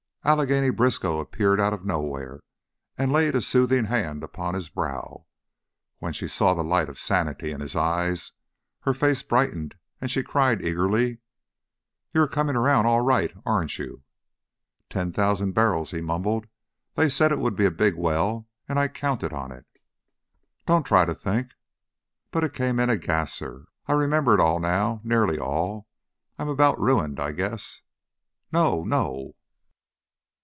Allegheny Briskow appeared out of nowhere and laid a soothing hand upon his brow. When she saw the light of sanity in his eyes, her face brightened and she cried, eagerly: "You're coming around all right, aren't you?" "Ten thousand barrels!" he mumbled. "They said it would be a big well and I counted on it." "Don't try to think " "But it came in a gasser. I remember it all now nearly all. I I'm about ruined, I guess." "No, no!"